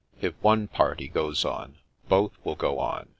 " If one party goes on, both will go on."